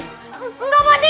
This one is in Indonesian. enggak pak dek